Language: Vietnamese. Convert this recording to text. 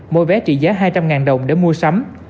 mỗi vé trị giá hai trăm linh đồng để mua sắm